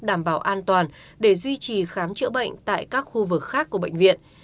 đảm bảo an toàn để duy trì khám chữa bệnh tại các khu vực khác của bệnh viện